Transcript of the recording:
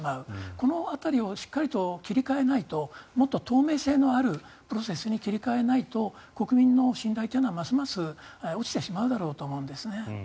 この辺りをしっかりと切り替えないともっと透明性のあるプロセスに切り替えないと国民の信頼というのはますます落ちてしまうんだろうと思います。